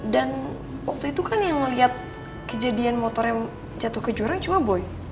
dan waktu itu kan yang ngeliat kejadian motornya jatuh ke jurang cuma boy